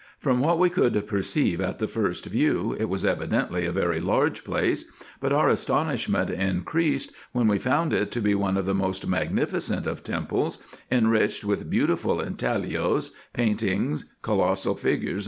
From what we could perceive at the first view, it was evidently a very large place ; but our astonishment increased, when Ave found it to be one of the most magnificent of temples, enriched with beautiful intaglios, painting, colossal figures, &c.